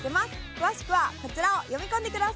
詳しくはこちらを読み込んでください！